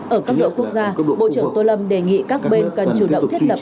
ở cấp độ quốc gia bộ trưởng tô lâm đề nghị các bên cần chủ động thiết lập